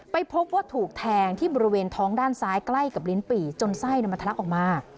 ไปพบว่าถูกแทงที่บริเวณท้องด้านซ้ายใกล้กับลิ้นปี่จนไส้มันทะลักออกมา